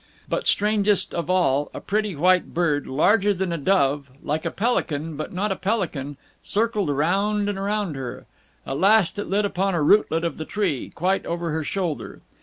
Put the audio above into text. But, strangest of all, a pretty white bird, larger than a dove like a pelican, but not a pelican circled around and around her. At last it lit upon a rootlet of the tree, quite over her shoulder.